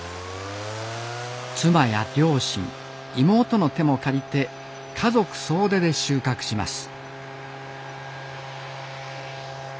妻や両親妹の手も借りて家族総出で収穫します